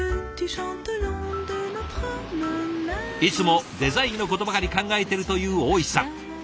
いつもデザインのことばかり考えてるという大石さん。